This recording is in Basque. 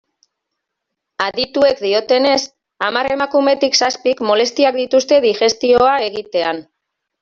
Adituek diotenez, hamar emakumetik zazpik molestiak dituzte digestioa egitean.